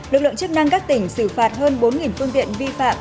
lực lượng chức năng các tỉnh xử phạt hơn bốn phương tiện vi phạm